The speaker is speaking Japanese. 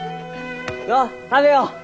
のう食べよう！